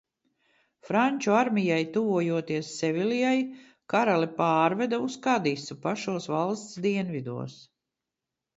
Franču armijai tuvojoties Seviljai, karali pārveda uz Kadisu pašos valsts dienvidos.